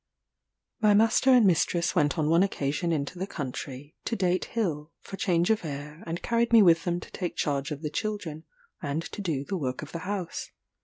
My master and mistress went on one occasion into the country, to Date Hill, for change of air, and carried me with them to take charge of the children, and to do the work of the house.